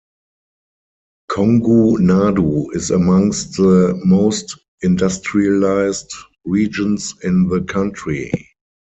Kongu Nadu is amongst the most industrialised regions in the country.